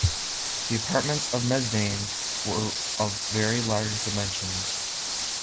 The apartments of Mesdames were of very large dimensions.